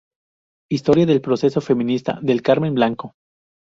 Historia del proceso feminista", de Carmen Blanco.